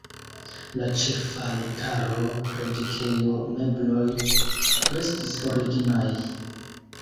La ĉefaltaro, predikejo, mebloj restis originaj.